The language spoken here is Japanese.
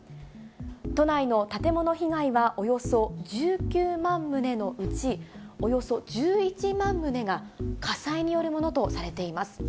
都内の建物被害はおよそ１９万棟のうちおよそ１１万棟が火災によるものとされています。